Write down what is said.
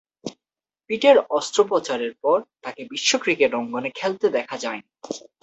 পিঠের অস্ত্রোপচারের পর তাকে বিশ্ব ক্রিকেট অঙ্গনে খেলতে দেখা যায়নি।